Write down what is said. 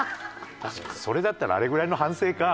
それだったらあれぐらいの反省か。